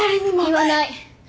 言わない。